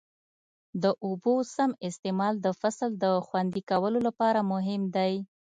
د اوبو سم استعمال د فصل د خوندي کولو لپاره مهم دی.